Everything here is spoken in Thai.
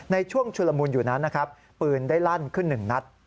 ในช่วงชุลมุนอยู่นั้นนะครับปืนได้ลั่นขึ้นหนึ่งนัด